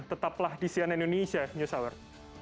tetaplah di cnn indonesia news hour